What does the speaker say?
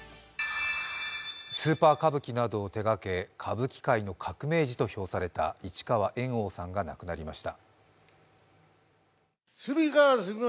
スーパー歌舞伎などを手がけ歌舞伎界の革命児などと評された市川猿翁さんが亡くなりました。